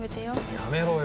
やめろよ